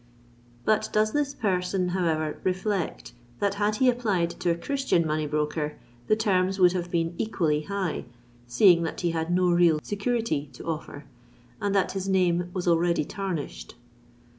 But does this person, however, reflect that had he applied to a Christian money broker, the terms would have been equally high, seeing that he had no real security to offer, and that his name was already tarnished?